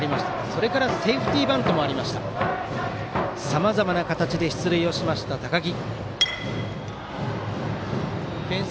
それからセーフティーバントもありさまざまな形で出塁した高木。